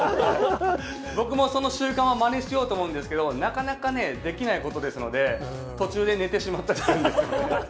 僕もその習慣はまねしようと思うんですけど、なかなかね、できないことですので、途中で寝てしまったりするんですけどね。